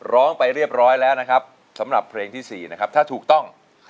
ไปเรียบร้อยแล้วนะครับสำหรับเพลงที่๔นะครับถ้าถูกต้อง